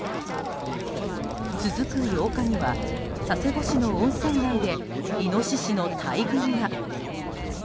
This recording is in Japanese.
続く８日には佐世保市の温泉街でイノシシの大群が。